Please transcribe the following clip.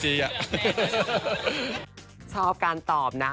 ชอบการตอบนะ